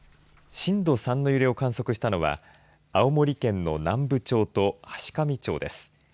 震度３の揺れを観測したのは青森県の南部町と階上町です。